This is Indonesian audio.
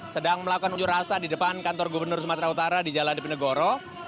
sedang melakukan unjuk rasa di depan kantor gubernur sumatera utara di jalan dipenegoro